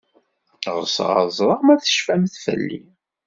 Ɣseɣ ad ẓreɣ ma tecfamt fell-i.